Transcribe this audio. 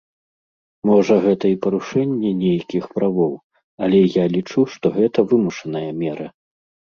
Можа, гэта і парушэнне нейкіх правоў, але я лічу, што гэта вымушаная мера.